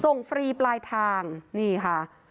ฟรีปลายทางนี่ค่ะ